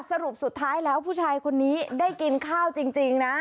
สรุปสุดท้ายแล้วผู้ชายคนนี้ได้กินข้าวจริงนะ